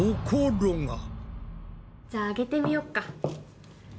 じゃあげてみようか。